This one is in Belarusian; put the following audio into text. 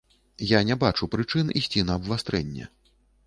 Я не бачу прычын ісці на абвастрэнне.